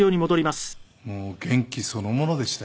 もう元気そのものでしたよね